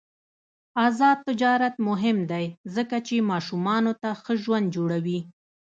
آزاد تجارت مهم دی ځکه چې ماشومانو ته ښه ژوند جوړوي.